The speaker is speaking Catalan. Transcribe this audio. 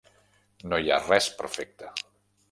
No hi ha res perfecte.